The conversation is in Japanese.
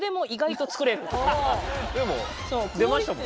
でも出ましたもんね。